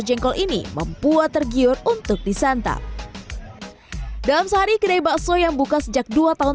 jengkol ini membuat tergiur untuk disantap dalam sehari kedai bakso yang buka sejak dua tahun